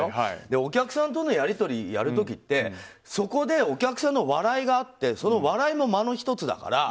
お客さんとのやり取りをやる時ってそこでお客さんの笑いがあってその笑いも間の１つだから。